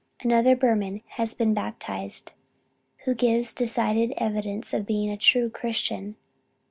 Another Burman has been baptized, who gives decided evidence of being a true Christian.